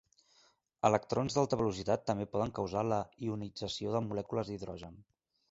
Electrons d'alta velocitat també poden causar la ionització de molècules d'hidrogen.